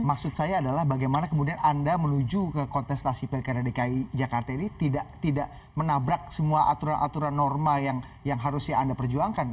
maksud saya adalah bagaimana kemudian anda menuju ke kontestasi pilkada dki jakarta ini tidak menabrak semua aturan aturan norma yang harusnya anda perjuangkan